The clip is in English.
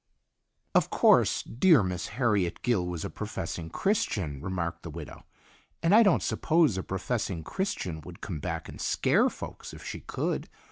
"Of course dear Miss Harriet Gill was a professing Christian," remarked the widow, "and I don't suppose a professing Christian would come back and scare folks if she could.